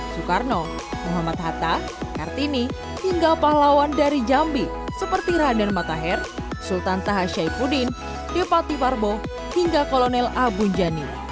soekarno muhammad hatta kartini hingga pahlawan dari jambi seperti raden matahir sultan tahasyai pudin depati farbo hingga kolonel abu janir